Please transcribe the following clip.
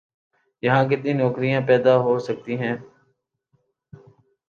یہاں کتنی نوکریاں پیدا ہو سکتی ہیں؟